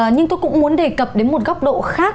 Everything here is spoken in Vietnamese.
nhưng tôi cũng muốn đề cập đến một góc độ khác